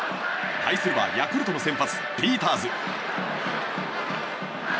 対するはヤクルトの先発ピーターズ。